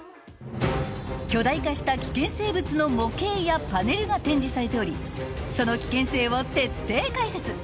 巨大化した危険生物の模型やパネルが展示されておりその危険性を徹底解説。